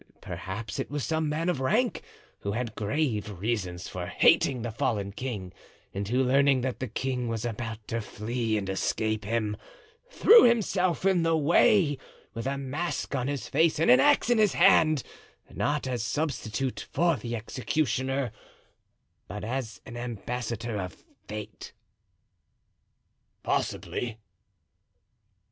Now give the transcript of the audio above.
Perhaps it was some man of rank who had grave reasons for hating the fallen king, and who, learning that the king was about to flee and escape him, threw himself in the way, with a mask on his face and an axe in his hand, not as substitute for the executioner, but as an ambassador of Fate." "Possibly."